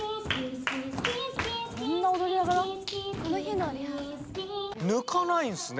こんな踊りながら？抜かないんすね！